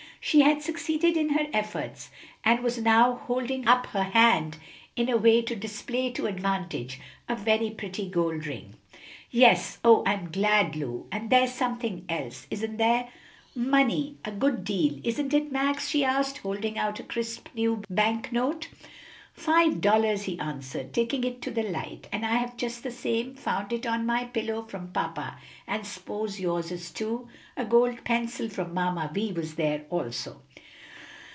She had succeeded in her efforts, and was now holding up her hand in a way to display to advantage a very pretty gold ring. "Yes; oh, I'm glad, Lu! And there's something else, isn't there?" "Money! a good deal, isn't it, Max?" she asked, holding out a crisp new bank note. "Five dollars," he answered, taking it to the light. "And I have just the same; found it on my pillow, from papa; and s'pose yours is, too. A gold pencil from Mamma Vi was there also."